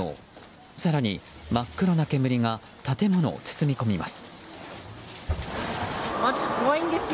更に、真っ黒な煙が建物を包み込みます。